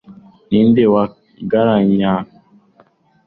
ni nde wankangaranya